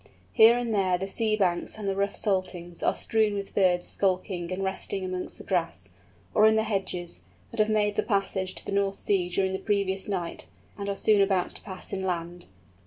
Here and there the sea banks and the rough saltings are strewn with birds skulking and resting amongst the grass, or in the hedges, that have made the passage of the North Sea during the previous night, and are soon about to pass inland.